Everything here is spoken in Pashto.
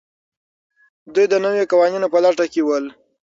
دوی د نویو قوانینو په لټه کې ول.